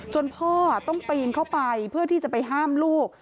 พ่อต้องปีนเข้าไปเพื่อที่จะไปห้ามลูก